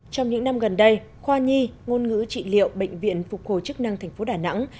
trong những năm gần đây khoa nhi ngôn ngữ trị liệu bệnh viện phục hồi chức năng thành phố đà nẵng